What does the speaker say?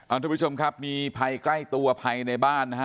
ทุกผู้ชมครับมีภัยใกล้ตัวภายในบ้านนะฮะ